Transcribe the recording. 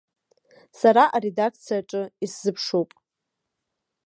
Сара аредакциаҿы исзыԥшуп.